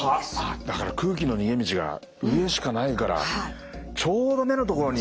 だから空気の逃げ道が上にしかないからちょうど目の所に。